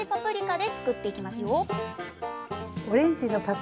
で